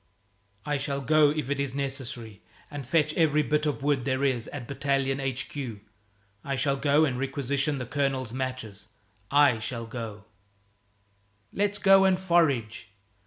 "I shall go if it's necessary and fetch every bit of wood there is at Battalion H.Q. I shall go and requisition the colonel's matches I shall go " "Let's go and forage."